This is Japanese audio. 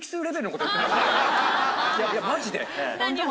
いやマジで。